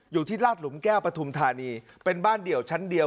อยู่ที่ราชหลุมแก้วปฐุมธานีเป็นบ้านเดี่ยวชั้นเดียว